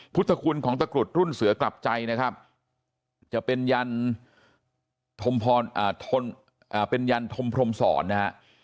พุทธคุณของตะกรุดรุ่นเสือกลับใจนะครับจะเป็นยันเป็นยันธมพรมศรนะฮะ